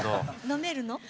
飲めるの？